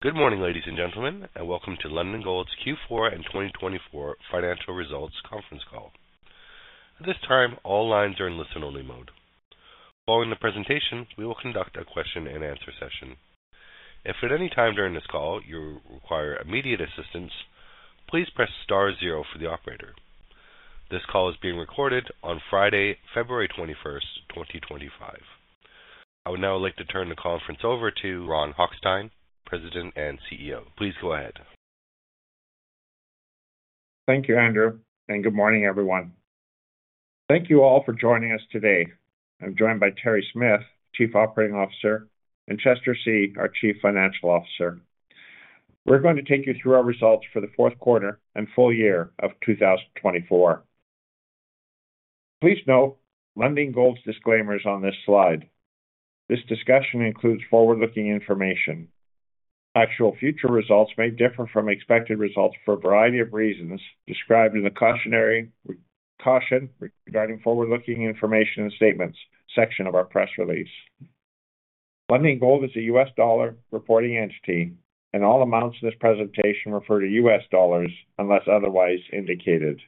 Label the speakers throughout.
Speaker 1: Good morning, ladies and gentlemen, and welcome to Lundin Gold's Q4 and 2024 financial results conference call. At this time, all lines are in listen-only mode. Following the presentation, we will conduct a question-and-answer session. If at any time during this call you require immediate assistance, please press star zero for the operator. This call is being recorded on Friday, February 21st, 2025. I would now like to turn the conference over to Ron Hochstein, President and CEO. Please go ahead.
Speaker 2: Thank you, Andre. And good morning, everyone. Thank you all for joining us today. I'm joined by Terry Smith, Chief Operating Officer, and Chester See, our Chief Financial Officer. We're going to take you through our results for the fourth quarter and full year of 2024. Please note Lundin Gold's disclaimers on this slide. This discussion includes forward-looking information. Actual future results may differ from expected results for a variety of reasons described in the cautionary note regarding forward-looking information and statements section of our press release. Lundin Gold is a U.S. dollar reporting entity, and all amounts in this presentation refer to U.S. dollars unless otherwise indicated.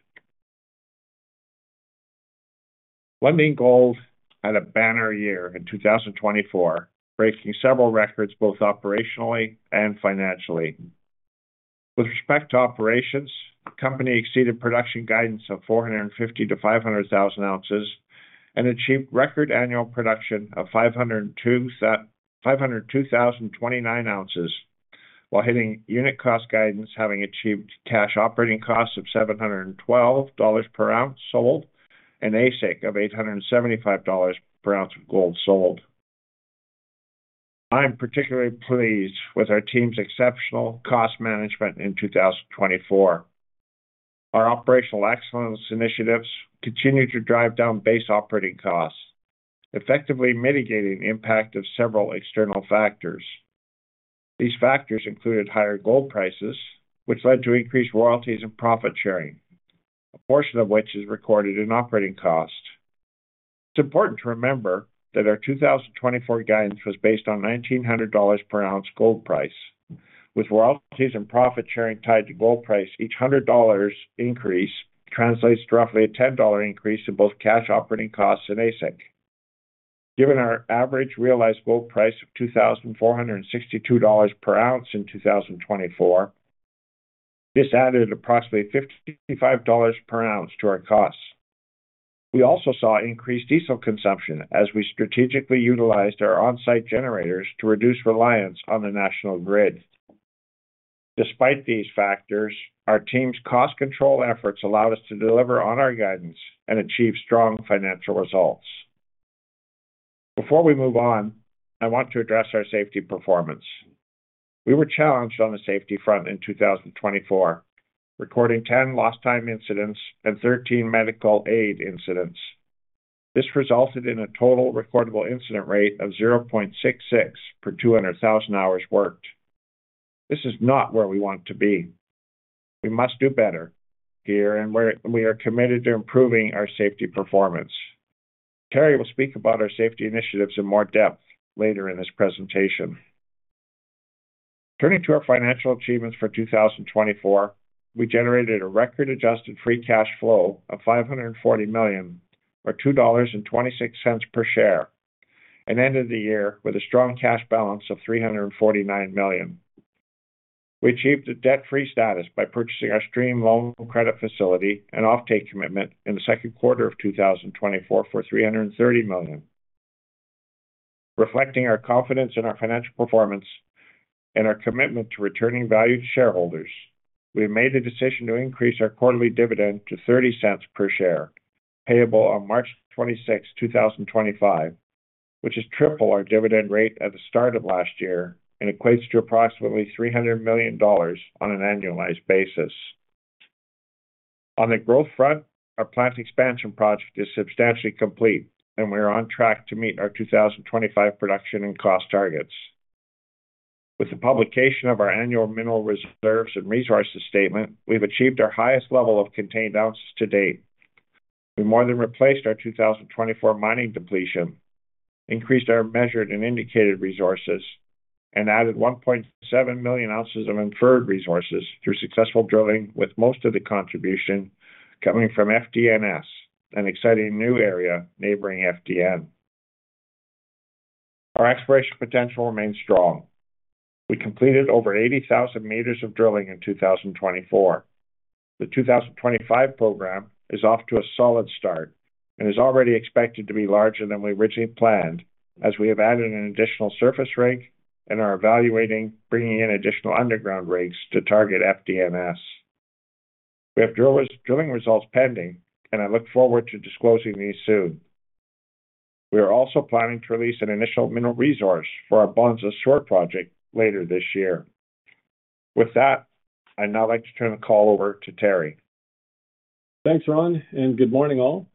Speaker 2: Lundin Gold had a banner year in 2024, breaking several records both operationally and financially. With respect to operations, the company exceeded production guidance of 450,000 to 500,000 ounces and achieved record annual production of 502,029 ounces, while hitting unit cost guidance, having achieved cash operating costs of $712 per ounce sold and AISC of $875 per ounce of gold sold. I'm particularly pleased with our team's exceptional cost management in 2024. Our operational excellence initiatives continued to drive down base operating costs, effectively mitigating the impact of several external factors. These factors included higher gold prices, which led to increased royalties and profit sharing, a portion of which is recorded in operating cost. It's important to remember that our 2024 guidance was based on $1,900 per ounce gold price. With royalties and profit sharing tied to gold price, each $100 increase translates to roughly a $10 increase in both cash operating costs and AISC. Given our average realized gold price of $2,462 per ounce in 2024, this added approximately $55 per ounce to our costs. We also saw increased diesel consumption as we strategically utilized our on-site generators to reduce reliance on the national grid. Despite these factors, our team's cost control efforts allowed us to deliver on our guidance and achieve strong financial results. Before we move on, I want to address our safety performance. We were challenged on the safety front in 2024, recording 10 lost-time incidents and 13 medical aid incidents. This resulted in a Total Recordable Incident Rate of 0.66 per 200,000 hours worked. This is not where we want to be. We must do better here, and we are committed to improving our safety performance. Terry will speak about our safety initiatives in more depth later in this presentation. Turning to our financial achievements for 2024, we generated a record Adjusted Free Cash Flow of $540 million, or $2.26 per share, and ended the year with a strong cash balance of $349 million. We achieved a debt-free status by purchasing our stream loan credit facility and offtake commitment in the second quarter of 2024 for $330 million. Reflecting our confidence in our financial performance and our commitment to returning value to shareholders, we made the decision to increase our quarterly dividend to $0.30 per share, payable on March 26th, 2025, which is triple our dividend rate at the start of last year and equates to approximately $300 million on an annualized basis. On the growth front, our plant expansion project is substantially complete, and we are on track to meet our 2025 production and cost targets. With the publication of our annual Mineral Reserves and Resources statement, we've achieved our highest level of contained ounces to date. We more than replaced our 2024 mining depletion, increased our Measured and Indicated Resources, and added 1.7 million ounces of Inferred Resources through successful drilling, with most of the contribution coming from FDNS, an exciting new area neighboring FDN. Our exploration potential remains strong. We completed over 80,000 meters of drilling in 2024. The 2025 program is off to a solid start and is already expected to be larger than we originally planned, as we have added an additional surface rig and are evaluating bringing in additional underground rigs to target FDNS. We have drilling results pending, and I look forward to disclosing these soon. We are also planning to release an initial mineral resource for our Bonza Sur project later this year. With that, I'd now like to turn the call over to Terry.
Speaker 3: Thanks, Ron, and good morning, all.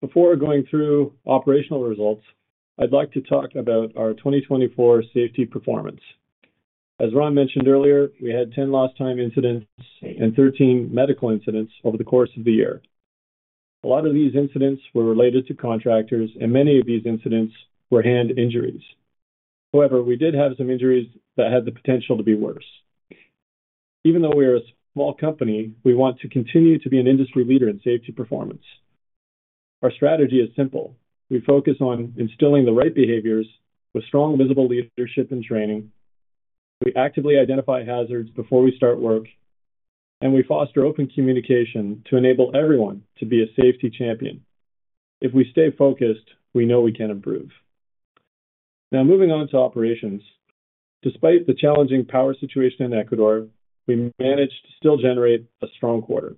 Speaker 3: Before going through operational results, I'd like to talk about our 2024 safety performance. As Ron mentioned earlier, we had 10 lost-time incidents and 13 medical incidents over the course of the year. A lot of these incidents were related to contractors, and many of these incidents were hand injuries. However, we did have some injuries that had the potential to be worse. Even though we are a small company, we want to continue to be an industry leader in safety performance. Our strategy is simple. We focus on instilling the right behaviors with strong visible leadership and training. We actively identify hazards before we start work, and we foster open communication to enable everyone to be a safety champion. If we stay focused, we know we can improve. Now, moving on to operations, despite the challenging power situation in Ecuador, we managed to still generate a strong quarter.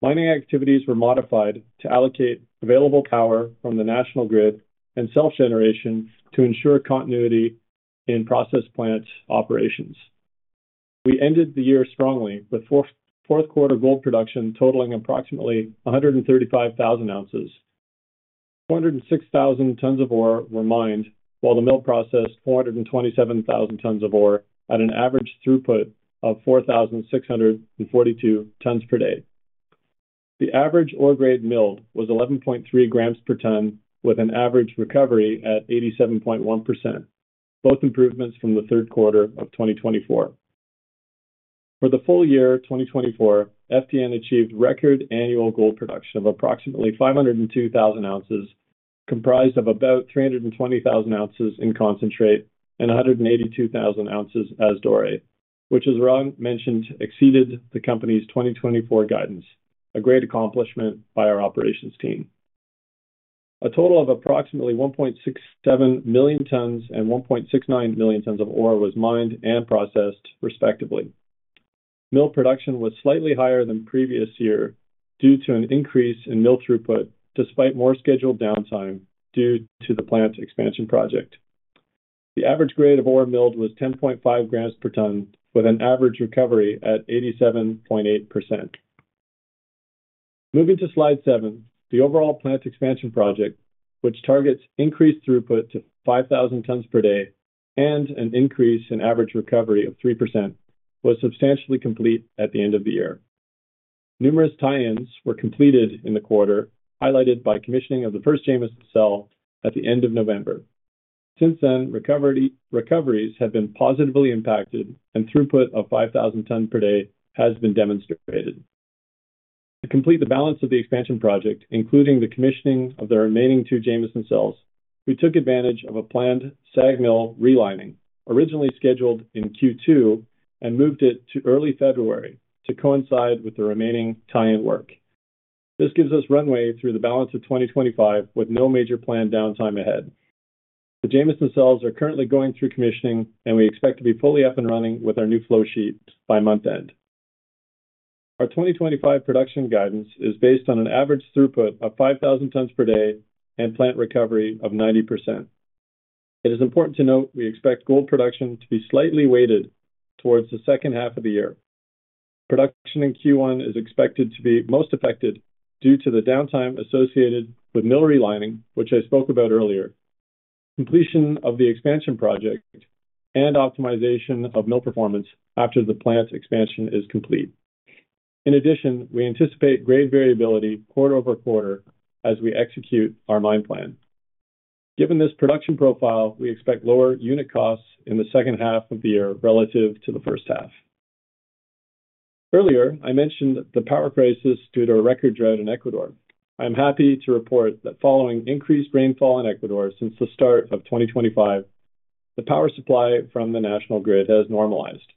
Speaker 3: Mining activities were modified to allocate available power from the national grid and self-generation to ensure continuity in process plant operations. We ended the year strongly, with fourth quarter gold production totaling approximately 135,000 ounces. 206,000 tonnes of ore were mined, while the mill processed 427,000 tonnes of ore at an average throughput of 4,642 tonnes per day. The average ore-grade mill was 11.3 grams per tonne, with an average recovery at 87.1%. Both improvements from the third quarter of 2024. For the full year 2024, FDN achieved record annual gold production of approximately 502,000 ounces, comprised of about 320,000 ounces in concentrate and 182,000 ounces as Doré, which, as Ron mentioned, exceeded the company's 2024 guidance, a great accomplishment by our operations team. A total of approximately 1.67 million tonnes and 1.69 million tonnes of ore was mined and processed, respectively. Mill production was slightly higher than previous year due to an increase in mill throughput, despite more scheduled downtime due to the plant expansion project. The average grade of ore milled was 10.5 grams per tonne, with an average recovery at 87.8%. Moving to slide seven, the overall plant expansion project, which targets increased throughput to 5,000 tonnes per day and an increase in average recovery of 3%, was substantially complete at the end of the year. Numerous tie-ins were completed in the quarter, highlighted by commissioning of the first Jameson Cell at the end of November. Since then, recoveries have been positively impacted, and throughput of 5,000 tonnes per day has been demonstrated. To complete the balance of the expansion project, including the commissioning of the remaining two Jameson Cells, we took advantage of a planned SAG mill relining, originally scheduled in Q2, and moved it to early February to coincide with the remaining tie-in work. This gives us runway through the balance of 2025, with no major planned downtime ahead. The Jameson cells are currently going through commissioning, and we expect to be fully up and running with our new flowsheet by month end. Our 2025 production guidance is based on an average throughput of 5,000 tonnes per day and plant recovery of 90%. It is important to note we expect gold production to be slightly weighted towards the second half of the year. Production in Q1 is expected to be most affected due to the downtime associated with mill relining, which I spoke about earlier, completion of the expansion project, and optimization of mill performance after the plant expansion is complete. In addition, we anticipate grade variability quarter-over-quarter as we execute our mine plan. Given this production profile, we expect lower unit costs in the second half of the year relative to the first half. Earlier, I mentioned the power crisis due to a record drought in Ecuador. I am happy to report that following increased rainfall in Ecuador since the start of 2025, the power supply from the national grid has normalized.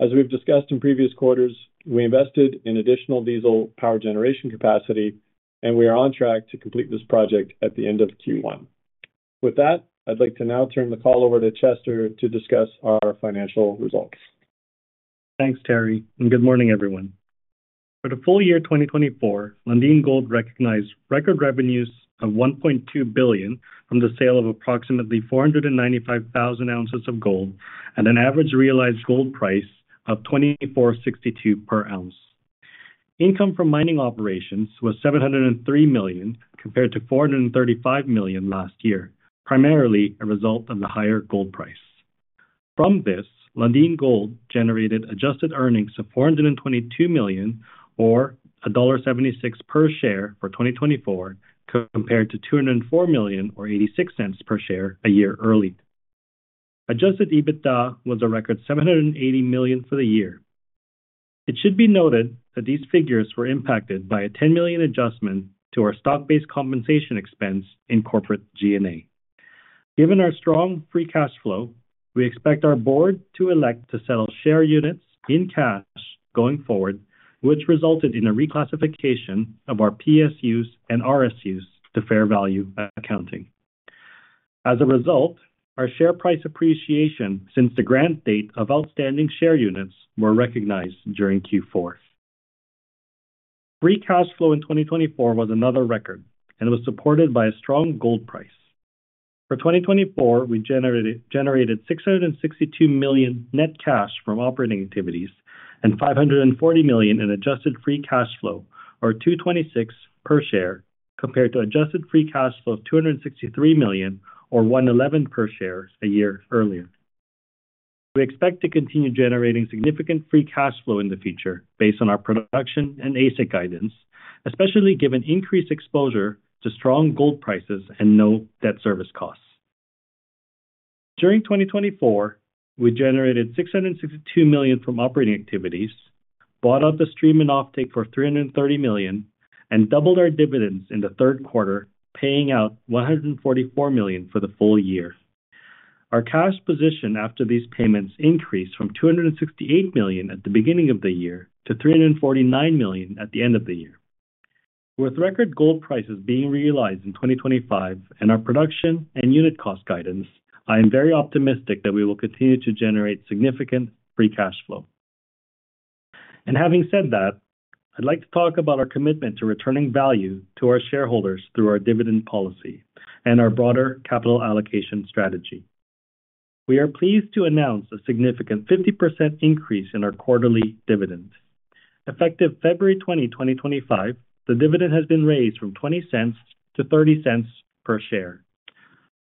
Speaker 3: As we've discussed in previous quarters, we invested in additional diesel power generation capacity, and we are on track to complete this project at the end of Q1. With that, I'd like to now turn the call over to Chester to discuss our financial results.
Speaker 4: Thanks, Terry, and good morning, everyone. For the full year 2024, Lundin Gold recognized record revenues of $1.2 billion from the sale of approximately 495,000 ounces of gold at an average realized gold price of $2,462 per ounce. Income from mining operations was $703 million compared to $435 million last year, primarily a result of the higher gold price. From this, Lundin Gold generated adjusted earnings of $422 million, or $1.76 per share for 2024, compared to $204 million, or $0.86 per share a year early. Adjusted EBITDA was a record $780 million for the year. It should be noted that these figures were impacted by a $10 million adjustment to our stock-based compensation expense in corporate G&A. Given our strong free cash flow, we expect our board to elect to sell share units in cash going forward, which resulted in a reclassification of our PSUs and RSUs to fair value accounting. As a result, our share price appreciation since the grant date of outstanding share units were recognized during Q4. Free cash flow in 2024 was another record and was supported by a strong gold price. For 2024, we generated $662 million net cash from operating activities and $540 million in adjusted free cash flow, or $226 per share, compared to adjusted free cash flow of $263 million, or $111 per share a year earlier. We expect to continue generating significant free cash flow in the future based on our production and AISC guidance, especially given increased exposure to strong gold prices and no debt service costs. During 2024, we generated $662 million from operating activities, bought out the stream and offtake for $330 million, and doubled our dividends in the third quarter, paying out $144 million for the full year. Our cash position after these payments increased from $268 million at the beginning of the year to $349 million at the end of the year. With record gold prices being realized in 2025 and our production and unit cost guidance, I am very optimistic that we will continue to generate significant free cash flow. And having said that, I'd like to talk about our commitment to returning value to our shareholders through our dividend policy and our broader capital allocation strategy. We are pleased to announce a significant 50% increase in our quarterly dividend. Effective February 20, 2025, the dividend has been raised from $0.20 to $0.30 per share.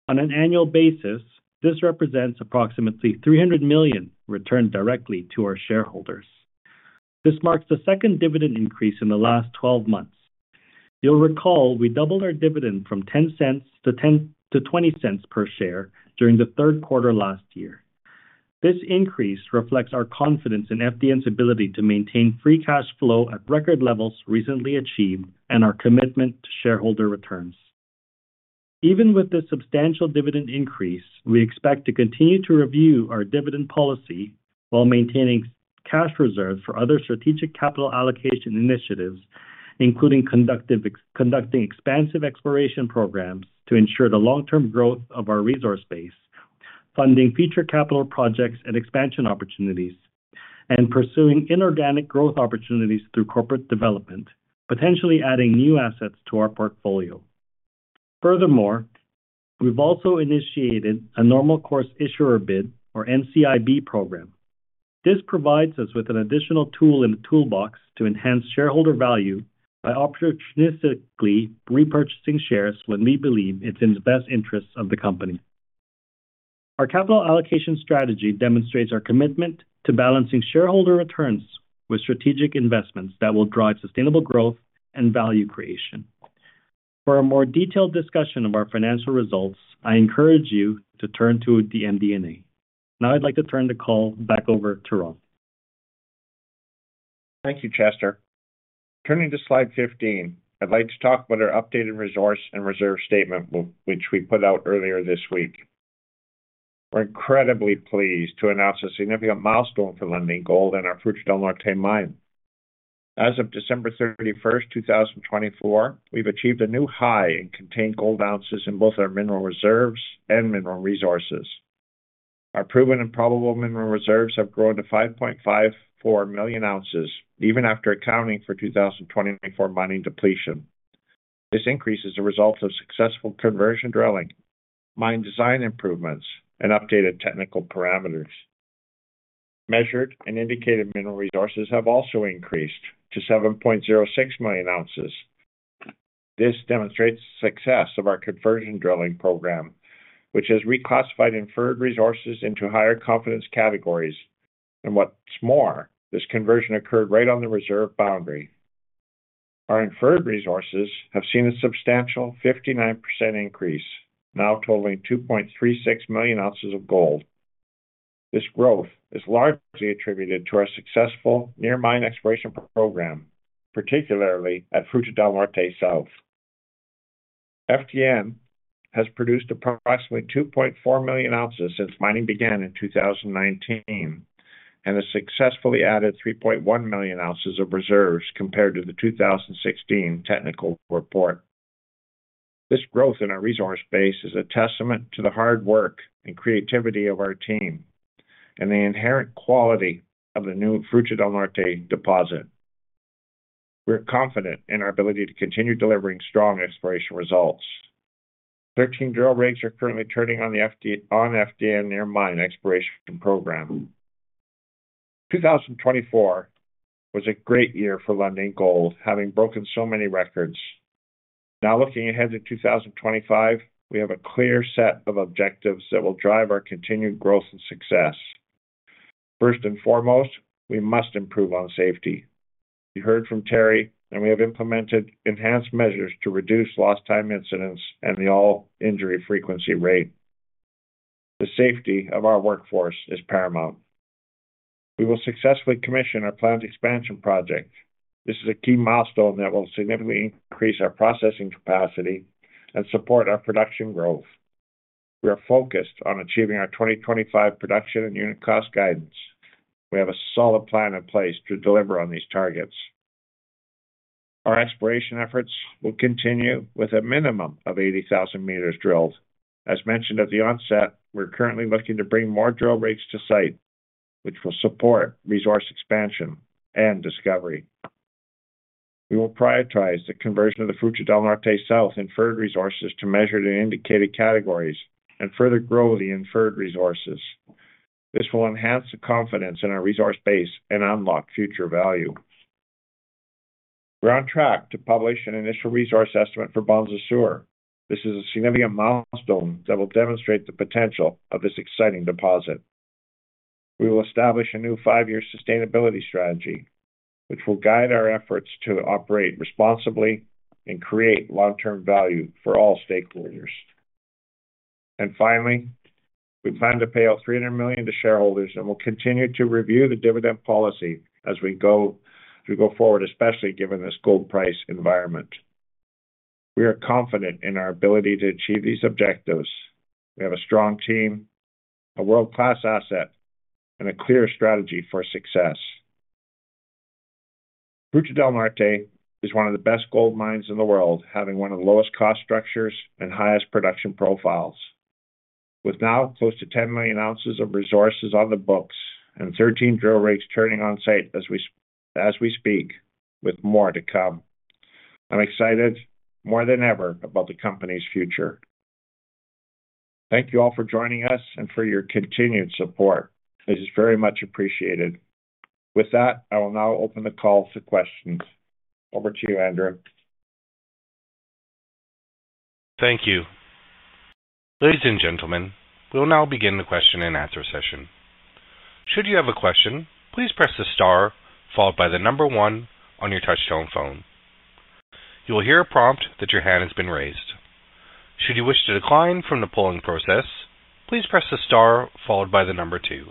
Speaker 4: On an annual basis, this represents approximately $300 million returned directly to our shareholders. This marks the second dividend increase in the last 12 months. You'll recall we doubled our dividend from $0.10 to $0.20 per share during the third quarter last year. This increase reflects our confidence in FDN's ability to maintain free cash flow at record levels recently achieved and our commitment to shareholder returns. Even with this substantial dividend increase, we expect to continue to review our dividend policy while maintaining cash reserves for other strategic capital allocation initiatives, including conducting expansive exploration programs to ensure the long-term growth of our resource base, funding future capital projects and expansion opportunities, and pursuing inorganic growth opportunities through corporate development, potentially adding new assets to our portfolio. Furthermore, we've also initiated a normal course issuer bid, or NCIB program. This provides us with an additional tool in the toolbox to enhance shareholder value by opportunistically repurchasing shares when we believe it's in the best interests of the company. Our capital allocation strategy demonstrates our commitment to balancing shareholder returns with strategic investments that will drive sustainable growth and value creation. For a more detailed discussion of our financial results, I encourage you to turn to MD&A. Now, I'd like to turn the call back over to Ron.
Speaker 2: Thank you, Chester. Turning to slide 15, I'd like to talk about our updated resource and reserve statement, which we put out earlier this week. We're incredibly pleased to announce a significant milestone for Lundin Gold and our Fruta del Norte mine. As of December 31st, 2024, we've achieved a new high in contained gold ounces in both our mineral reserves and mineral resources. Our proven and probable mineral reserves have grown to 5.54 million ounces, even after accounting for 2024 mining depletion. This increase is a result of successful conversion drilling, mine design improvements, and updated technical parameters. Measured and indicated mineral resources have also increased to 7.06 million ounces. This demonstrates the success of our conversion drilling program, which has reclassified inferred resources into higher confidence categories, and what's more, this conversion occurred right on the reserve boundary. Our inferred resources have seen a substantial 59% increase, now totaling 2.36 million ounces of gold. This growth is largely attributed to our successful near-mine exploration program, particularly at Fruta del Norte South. FDN has produced approximately 2.4 million ounces since mining began in 2019 and has successfully added 3.1 million ounces of reserves compared to the 2016 technical report. This growth in our resource base is a testament to the hard work and creativity of our team and the inherent quality of the new Fruta del Norte deposit. We're confident in our ability to continue delivering strong exploration results. 13 drill rigs are currently turning on the FDN near-mine exploration program. 2024 was a great year for Lundin Gold, having broken so many records. Now, looking ahead to 2025, we have a clear set of objectives that will drive our continued growth and success. First and foremost, we must improve on safety. We heard from Terry, and we have implemented enhanced measures to reduce lost time incidents and the all-injury frequency rate. The safety of our workforce is paramount. We will successfully commission our planned expansion project. This is a key milestone that will significantly increase our processing capacity and support our production growth. We are focused on achieving our 2025 production and unit cost guidance. We have a solid plan in place to deliver on these targets. Our exploration efforts will continue with a minimum of 80,000 meters drilled. As mentioned at the onset, we're currently looking to bring more drill rigs to site, which will support resource expansion and discovery. We will prioritize the conversion of the Fruta del Norte South inferred resources to measured and indicated categories and further grow the inferred resources. This will enhance the confidence in our resource base and unlock future value. We're on track to publish an initial resource estimate for Bonza Sur. This is a significant milestone that will demonstrate the potential of this exciting deposit. We will establish a new five-year sustainability strategy, which will guide our efforts to operate responsibly and create long-term value for all stakeholders. And finally, we plan to pay out $300 million to shareholders and will continue to review the dividend policy as we go forward, especially given this gold price environment. We are confident in our ability to achieve these objectives. We have a strong team, a world-class asset, and a clear strategy for success. Fruta del Norte is one of the best gold mines in the world, having one of the lowest cost structures and highest production profiles, with now close to 10 million ounces of resources on the books and 13 drill rigs turning on site as we speak, with more to come. I'm excited more than ever about the company's future. Thank you all for joining us and for your continued support. This is very much appreciated. With that, I will now open the call for questions. Over to you, Andre.
Speaker 1: Thank you. Ladies and gentlemen, we'll now begin the question and answer session. Should you have a question, please press the star followed by the number one on your touch-tone phone. You will hear a prompt that your hand has been raised. Should you wish to decline from the polling process, please press the star followed by the number two.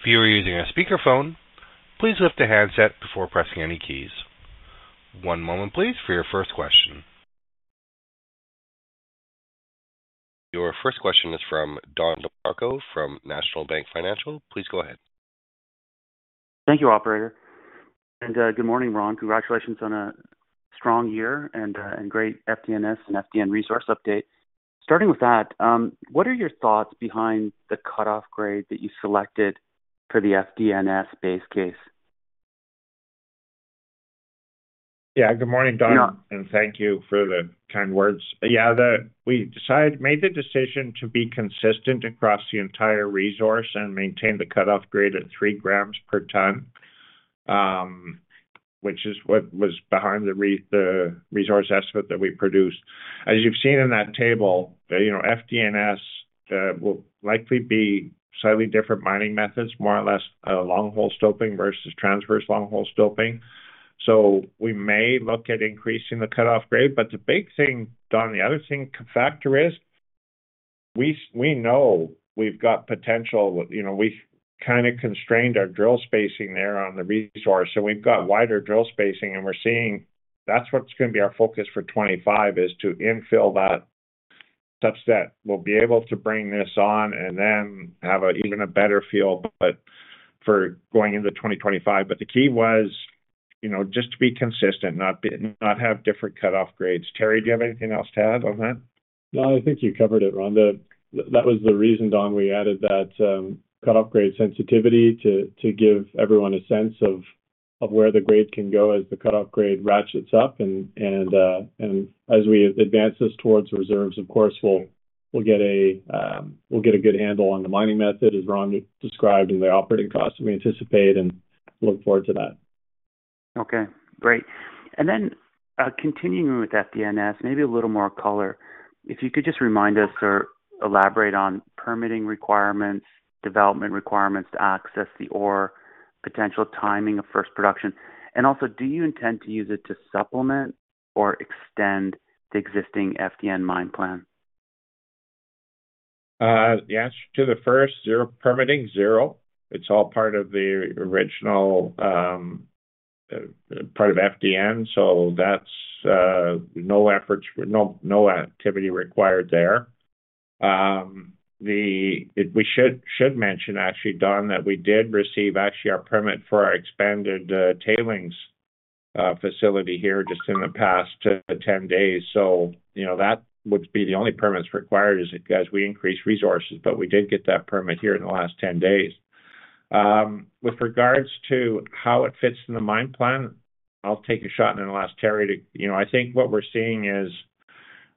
Speaker 1: If you are using a speakerphone, please lift the handset before pressing any keys. One moment, please, for your first question. Your first question is from Don DeMarco from National Bank Financial. Please go ahead.
Speaker 5: Thank you, Operator, and good morning, Ron. Congratulations on a strong year and great FDNS and FDN resource update. Starting with that, what are your thoughts behind the cut-off grade that you selected for the FDNS base case?
Speaker 2: Yeah, good morning, Don, and thank you for the kind words. Yeah, we made the decision to be consistent across the entire resource and maintain the cutoff grade at three grams per tonne, which is what was behind the resource estimate that we produced. As you've seen in that table, FDNS will likely be slightly different mining methods, more or less long-hole stoping versus transverse long-hole stoping. So we may look at increasing the cutoff grade, but the big thing, Don, the other thing factor is we know we've got potential. We kind of constrained our drill spacing there on the resource, so we've got wider drill spacing, and we're seeing that's what's going to be our focus for 2025, is to infill that such that we'll be able to bring this on and then have even a better field for going into 2025. But the key was just to be consistent, not have different cut-off grades. Terry, do you have anything else to add on that?
Speaker 3: No, I think you covered it, Ron. That was the reason, Don, we added that cut-off grade sensitivity to give everyone a sense of where the grade can go as the cut-off grade ratchets up, and as we advance this towards reserves, of course, we'll get a good handle on the mining method, as Ron described, and the operating costs that we anticipate, and look forward to that.
Speaker 5: Okay, great. And then continuing with FDNS, maybe a little more color. If you could just remind us or elaborate on permitting requirements, development requirements to access the ore, potential timing of first production. And also, do you intend to use it to supplement or extend the existing FDN mine plan?
Speaker 2: The answer to the first, zero permitting, zero. It's all part of the original part of FDN, so no activity required there. We should mention, actually, Don, that we did receive actually our permit for our expanded tailings facility here just in the past 10 days. So that would be the only permits required as we increase resources, but we did get that permit here in the last 10 days. With regards to how it fits in the mine plan, I'll take a shot and then I'll ask Terry to. I think what we're seeing is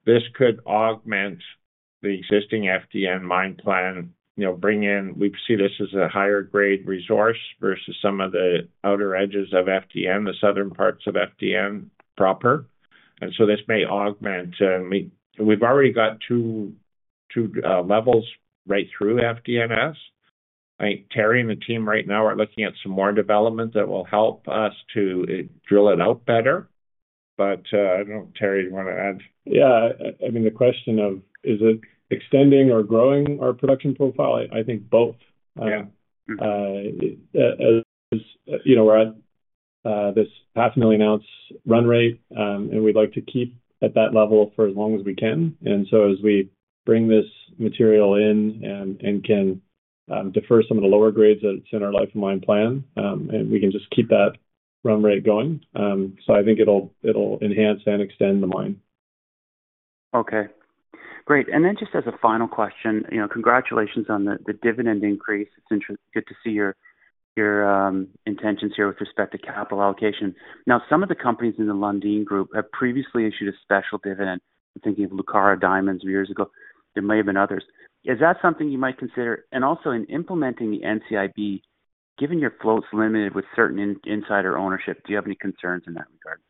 Speaker 2: this could augment the existing FDN mine plan, bring in. We see this as a higher-grade resource versus some of the outer edges of FDN, the southern parts of FDN proper. And so this may augment. We've already got two levels right through FDNS. I think Terry and the team right now are looking at some more development that will help us to drill it out better. But I don't know, Terry, do you want to add?
Speaker 3: Yeah, I mean, the question of is it extending or growing our production profile? I think both. As we're at this 500,000-ounce run rate, and we'd like to keep at that level for as long as we can. And so as we bring this material in and can defer some of the lower grades that it's in our life of mine plan, and we can just keep that run rate going. So I think it'll enhance and extend the mine.
Speaker 5: Okay, great. And then just as a final question, congratulations on the dividend increase. It's interesting to see your intentions here with respect to capital allocation. Now, some of the companies in the Lundin Group have previously issued a special dividend. I'm thinking of Lucara Diamonds years ago. There may have been others. Is that something you might consider? And also, in implementing the NCIB, given your float's limited with certain insider ownership, do you have any concerns in that regard?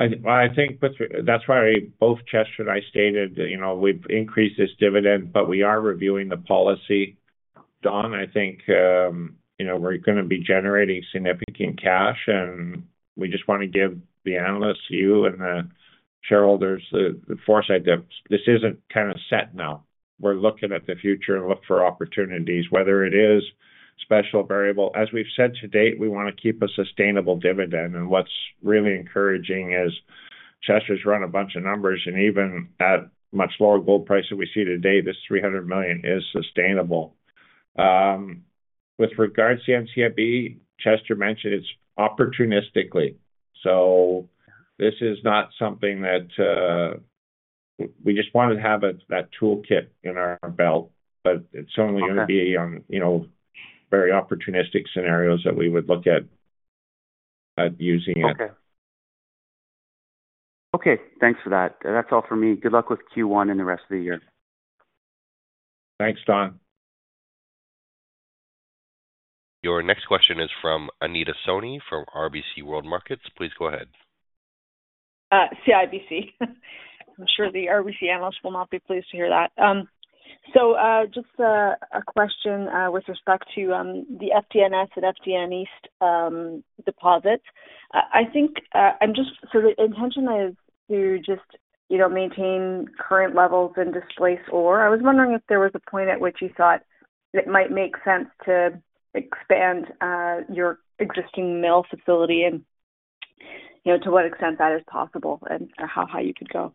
Speaker 2: I think that's why both Chester and I stated we've increased this dividend, but we are reviewing the policy. Don, I think we're going to be generating significant cash, and we just want to give the analysts, you and the shareholders, the foresight that this isn't kind of set now. We're looking at the future and looking for opportunities, whether it is special variable. As we've said to date, we want to keep a sustainable dividend. And what's really encouraging is Chester's run a bunch of numbers, and even at much lower gold price that we see today, this $300 million is sustainable. With regards to the NCIB, Chester mentioned it's opportunistically. So this is not something that we just wanted to have that toolkit in our belt, but it's only going to be on very opportunistic scenarios that we would look at using it.
Speaker 5: Okay. Okay, thanks for that. That's all for me. Good luck with Q1 and the rest of the year.
Speaker 2: Thanks, Don.
Speaker 1: Your next question is from Anita Soni from CIBC World Markets. Please go ahead.
Speaker 6: CIBC. I'm sure the RBC analysts will not be pleased to hear that. So just a question with respect to the FDNS and FDN East deposits. I think I'm just sort of intending to just maintain current levels and displace ore. I was wondering if there was a point at which you thought it might make sense to expand your existing mill facility and to what extent that is possible and how high you could go.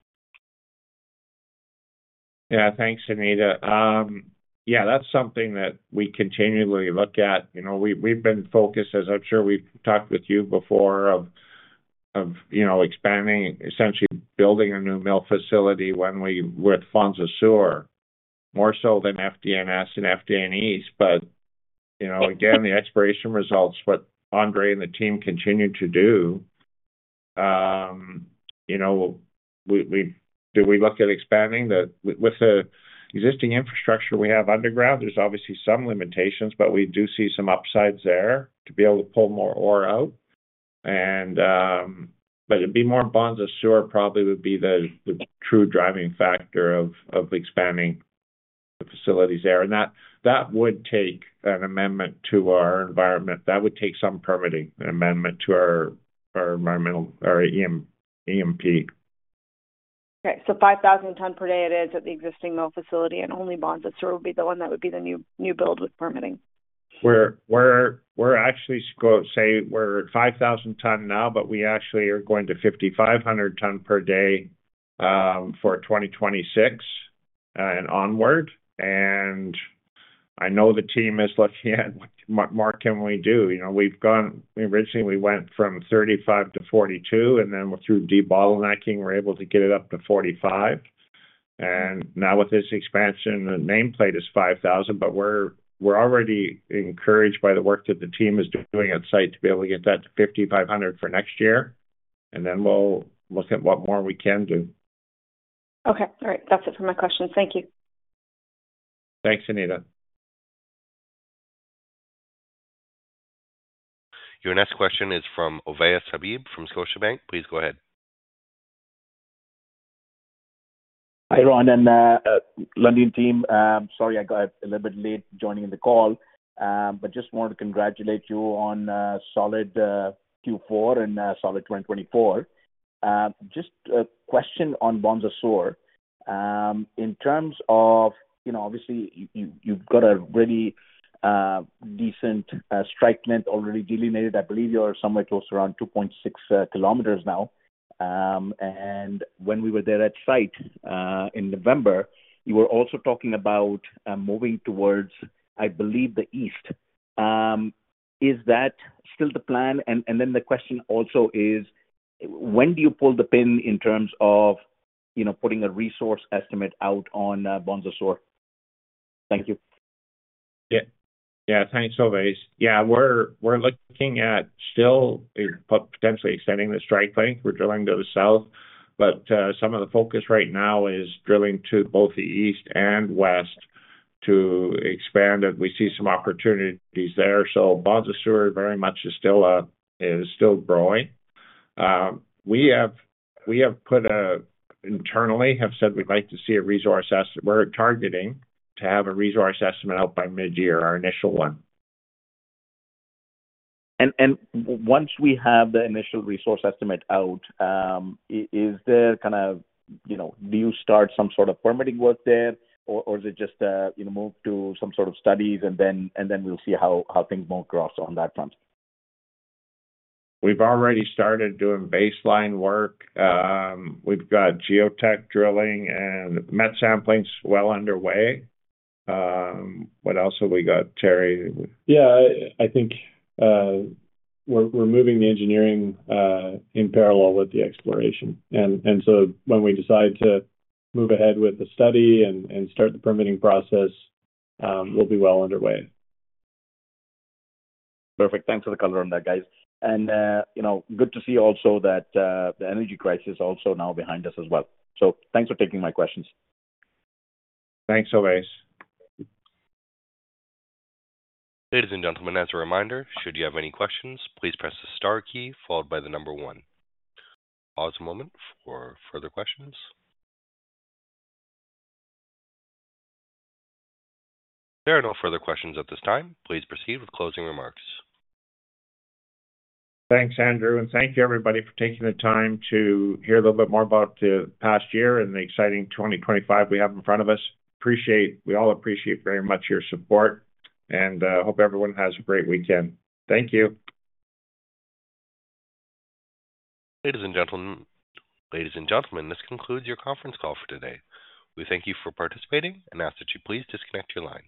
Speaker 2: Yeah, thanks, Anita. Yeah, that's something that we continually look at. We've been focused, as I'm sure we've talked with you before, of expanding, essentially building a new mill facility with Bonza Sur, more so than FDNS and FDN East. But again, the exploration results, what Andre and the team continue to do, do we look at expanding? With the existing infrastructure we have underground, there's obviously some limitations, but we do see some upsides there to be able to pull more ore out. But it'd be more Bonza Sur probably would be the true driving factor of expanding the facilities there. And that would take an amendment to our environment. That would take some permitting and amendment to our EMP.
Speaker 6: Okay, so 5,000 tonnes per day it is at the existing mill facility, and only Bonza Sur would be the one that would be the new build with permitting.
Speaker 2: We're actually going to say we're at 5,000 tonnes now, but we actually are going to 5,500 tonnes per day for 2026 and onward, and I know the team is looking at what more can we do. Originally, we went from 35 to 42, and then through de-bottlenecking, we're able to get it up to 45, and now with this expansion, the nameplate is 5,000, but we're already encouraged by the work that the team is doing on site to be able to get that to 5,500 for next year, and then we'll look at what more we can do.
Speaker 6: Okay, all right. That's it for my questions. Thank you.
Speaker 2: Thanks, Anita.
Speaker 1: Your next question is from Ovais Habib from Scotiabank. Please go ahead.
Speaker 7: Hi, Ron, and Lundin team. Sorry, I got a little bit late joining the call, but just wanted to congratulate you on solid Q4 and solid 2024. Just a question on Bonza Sur. In terms of, obviously, you've got a really decent strike length already delineated. I believe you're somewhere close to around 2.6 kilometers now. And when we were there at site in November, you were also talking about moving towards, I believe, the east. Is that still the plan? And then the question also is, when do you pull the pin in terms of putting a resource estimate out on Bonza Sur? Thank you.
Speaker 2: Yeah, thanks, Ovais. Yeah, we're looking at still potentially extending the strike length. We're drilling to the south, but some of the focus right now is drilling to both the east and west to expand. And we see some opportunities there. So Bonza Sur very much is still growing. We have put internally, have said we'd like to see a resource estimate. We're targeting to have a resource estimate out by mid-year, our initial one.
Speaker 7: Once we have the initial resource estimate out, is there kind of, do you start some sort of permitting work there, or is it just move to some sort of studies, and then we'll see how things move across on that front?
Speaker 2: We've already started doing baseline work. We've got geotech drilling and met samplings well underway. What else have we got, Terry?
Speaker 3: Yeah, I think we're moving the engineering in parallel with the exploration, and so when we decide to move ahead with the study and start the permitting process, we'll be well underway.
Speaker 7: Perfect. Thanks for the color on that, guys, and good to see also that the energy crisis is also now behind us as well, so thanks for taking my questions.
Speaker 2: Thanks, Ovey.
Speaker 1: Ladies and gentlemen, as a reminder, should you have any questions, please press the star key followed by the number one. Pause a moment for further questions. There are no further questions at this time. Please proceed with closing remarks.
Speaker 2: Thanks, Andre. Thank you, everybody, for taking the time to hear a little bit more about the past year and the exciting 2025 we have in front of us. We all appreciate very much your support, and hope everyone has a great weekend. Thank you.
Speaker 1: Ladies and gentlemen, this concludes your conference call for today. We thank you for participating and ask that you please disconnect your lines.